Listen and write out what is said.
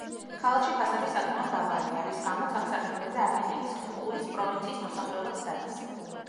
ქალაქში ფასები საკმაოდ დაბალია, რის გამოც, აქ საყიდლებზე არგენტინის ხუხუის პროვინციის მოსახლეობაც დადის.